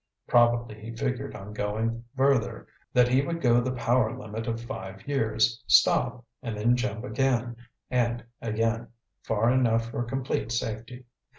Probably he figured on going further, that he would go the power limit of five years, stop, and then jump again, and again, far enough for complete safety.